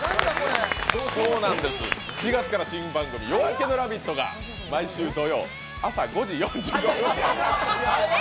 ４月から新番組「夜明けのラヴィット！」が毎週土曜、朝５時４５分から。